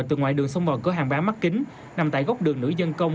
từ ngoài đường xông vào cửa hàng bán mắt kính nằm tại góc đường nữ dân công